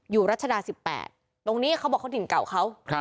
อยู่รัชดา๑๘ตรงนี้เขาบอกคนถิ่นเก่าเขา